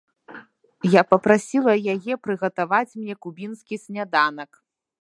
Я папрасіла яе прыгатаваць мне кубінскі сняданак.